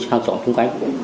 hàng trọng xung quanh